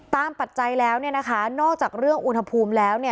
ตามปัจจัยแล้วนะคะนอกจากเรื่องอุณหภูมิแล้ว